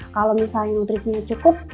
kalau misalnya nutrisinya cukup